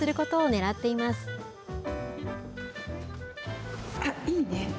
あっ、いいね。